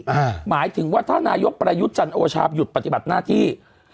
หมายถึงว่าถ้านายกประยุทธ์จันโอชาหยุดปฏิบัติหน้าที่